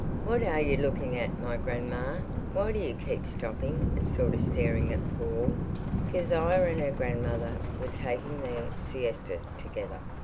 "What are you looking at, my grandma? Why do you keep stopping and sort of staring at the wall?" Kezia and her grandmother were taking their siesta together.